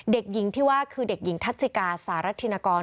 เด็กหญิงที่ว่าคือเด็กหญิงทัศิกาสารธินกร